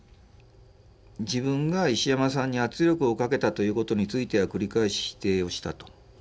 自分が石山さんに圧力をかけたということについては繰り返し否定をしたと。